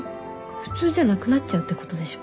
普通じゃなくなっちゃうってことでしょ？